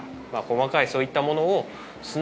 細かいそういったものを。